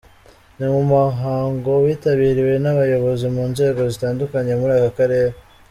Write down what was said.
Ni mu muhango witabiriwe n’abayobozi mu nzego zitandukanye muri aka karere.